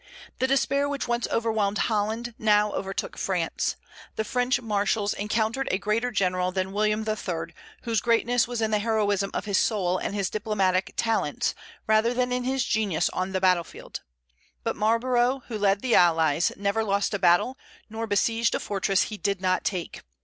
The despair which once overwhelmed Holland now overtook France. The French marshals encountered a greater general than William III., whose greatness was in the heroism of his soul and his diplomatic talents, rather than in his genius on the battlefield. But Marlborough, who led the allies, never lost a battle, nor besieged a fortress he did not take.